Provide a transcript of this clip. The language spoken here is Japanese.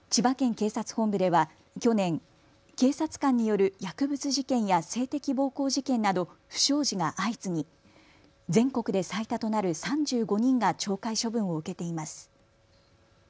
警察本部では去年、警察官による薬物事件や性的暴行事件など不祥事が相次ぎ、全国で最多となる３５人が懲戒処分を受けています。